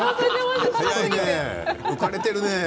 浮かれてるね。